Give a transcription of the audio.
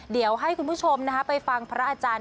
เดี๋ยวให้คุณผู้ชมไปฟังพระอาจารย์